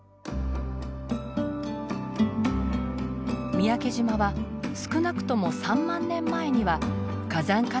三宅島は少なくとも３万年前には火山活動で生まれていました。